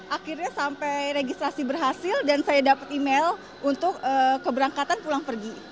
akhirnya sampai registrasi berhasil dan saya dapat email untuk keberangkatan pulang pergi